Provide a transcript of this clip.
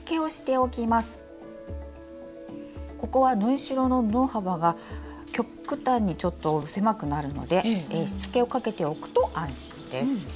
ここは縫い代の布幅が極端にちょっと狭くなるのでしつけをかけておくと安心です。